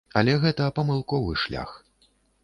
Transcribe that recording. Але гэта памылковы шлях.